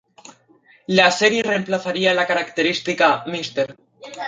La serie reemplazaría la característica "Mr.